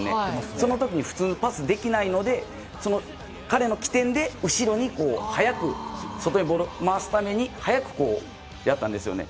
その時に普通にパスできないんですが彼の機転で後ろに早く外にボールを回すために早くやったんです。